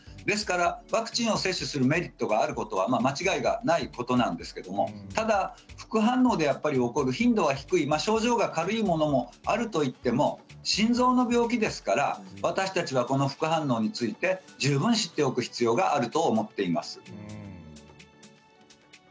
ですからワクチンを接種するメリットがあることは間違いないことなんですけどもただ副反応で起こる頻度は低い症状は軽いものもあると言っても心臓の病気ですから、私たちはこの副反応について十分知っておく必要があると思っています。